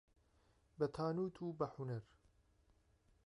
به تانوت و به حونەر